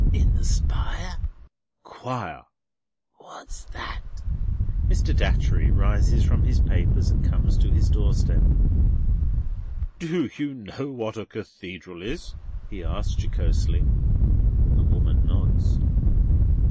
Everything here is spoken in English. "In the spire?" "Choir." "What's that?" Mr. Datchery rises from his papers, and comes to his doorstep. "Do you know what a cathedral is?" he asks, jocosely. The woman nods.